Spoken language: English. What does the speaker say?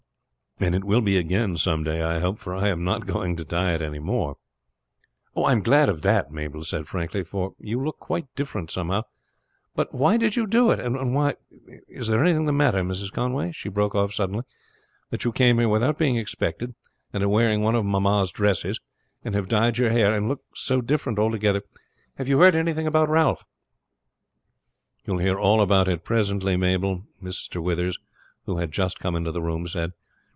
"And it will be again some day, I hope, for I am not going to dye it any more." "I am glad of that," Mabel said frankly; "for you look quite different somehow. But why did you do it? and why Is there anything the matter, Mrs. Conway," she broke off suddenly, "that you come here without being expected, and are wearing one of mamma's dresses, and have dyed your hair, and look so different altogether? Have you heard anything about Ralph?" "You will hear all about it presently, Mabel," Mr. Withers, who had just come into the room, said.